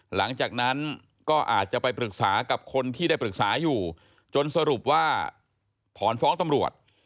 หลังจากนั้นก็อาจจะไปปรึกษากับคนที่ได้ปรึกษาอยู่จนสรุปว่าถอนฟ้องตำรวจ